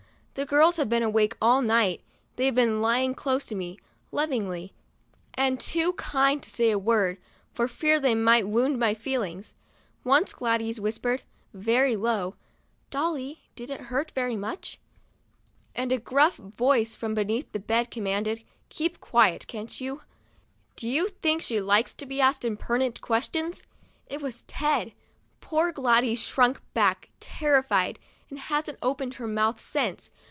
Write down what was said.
The girls have been awake all night ; they've been lying close to me, lovingly, and too kind to say a word, for fear they might wound my feelings. Once Gladys whispered, very low: " Dolly, did it hurt very much?" and a gruff 65 THE DIARY OF A BIRTHDAY DOLL voice from beneath the bed commanded: " Keep quiet, can't you ? Do you think she likes to be asked imperti nent questions?" It was Ted. Poor Gladys shrunk back, terrified, and hasn't opened her mouth since.